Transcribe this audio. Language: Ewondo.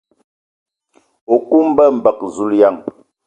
O ku mbǝg mbǝg ! Zulǝyan.